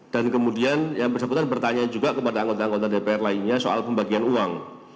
dan kemudian yang bersangkutan bertanya juga kepada anggota anggota dpr lainnya soal pembagian uang